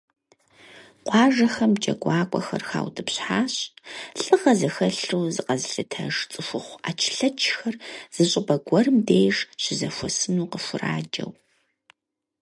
Къуажэхэм джакӀуэхэр хаутӀыпщхьащ, лӀыгъэ зыхэлъу зыкъэзылъытэж цӀыхухъу Ӏэчлъэчхэр зы щӀыпӀэ гуэрым деж щызэхуэсыну къыхураджэу.